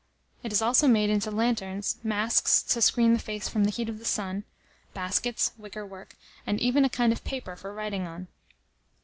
It is also made into lanterns, masks to screen the face from the heat of the sun, baskets, wicker work, and even a kind of paper for writing on.